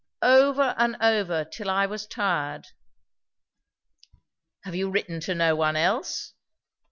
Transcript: "Over and over; till I was tired." "Have you written to no one else?"